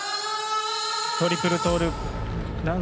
トリプルトーループ。